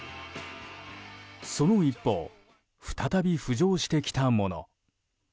その一方再び浮上してきたもの。